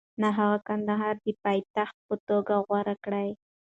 نه، هغه کندهار د پایتخت په توګه غوره کړ.